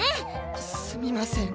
すみません。